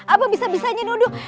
apa bisa bisanya nuduk